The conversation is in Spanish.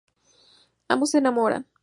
Ambos se enamoran.